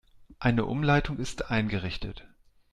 Eine Umleitung ist eingerichtet.